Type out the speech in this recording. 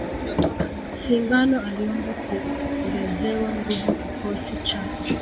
Singano aliomba kungezewa nguvu kikosi chake